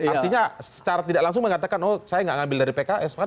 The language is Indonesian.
artinya secara tidak langsung mengatakan oh saya nggak ngambil dari pks